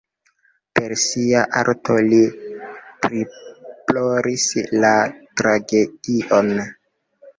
Per sia arto li priploris la tragedion.